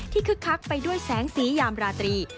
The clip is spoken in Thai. คึกคักไปด้วยแสงสียามราตรี